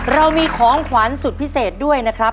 เรามีของขวัญสุดพิเศษด้วยนะครับ